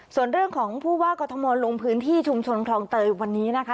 ส่วนเรื่องของผู้ว่ากรทมลงพื้นที่ชุมชนคลองเตยวันนี้นะคะ